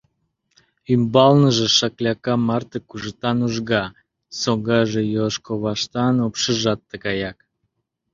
Ӱмбалныже шакляка марте кужытан ужга, согаже йос коваштан, упшыжат тыгаяк.